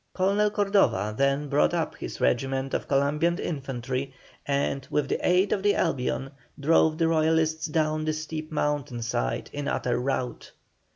Colonel Cordova then brought up his regiment of Columbian infantry, and, with the aid of the Albion, drove the Royalists down the steep mountain side in utter rout.